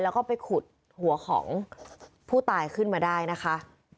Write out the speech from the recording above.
แล้วก็ไปขุดหัวของผู้ตายขึ้นมาได้นะคะ